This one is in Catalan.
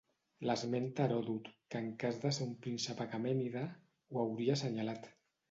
L'esmenta Heròdot que en cas de ser un príncep aquemènida ho hauria assenyalat.